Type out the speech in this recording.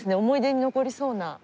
思い出に残りそうな。